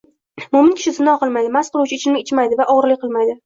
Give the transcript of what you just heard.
Mo‘min kishi zino qilmaydi, mast qiluvchi ichimlik ichmaydi va o‘g‘rilik qilmaydi